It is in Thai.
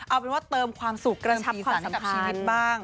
เอาเป็นว่าเติมความสุขเกินภีรษันให้กับชีวิตบ้าง